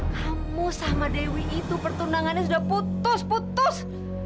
kamu sama dewi itu pertunangannya sudah putus putus